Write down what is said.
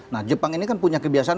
nah jepang ini kan punya kebiasaan